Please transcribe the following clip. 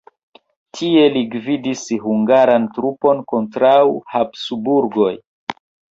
Tie li gvidis hungaran trupon kontraŭ Habsburgoj.